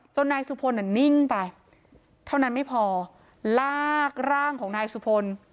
นายสุพลนิ่งไปเท่านั้นไม่พอลากร่างของนายสุพล